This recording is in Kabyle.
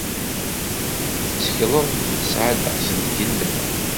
Tettekleḍ nesɛa ddeqs n tgella?